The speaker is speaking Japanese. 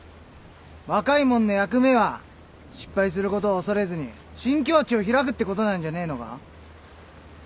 若いもんの役目は失敗することを恐れずに新境地を開くってことなんじゃねえのか？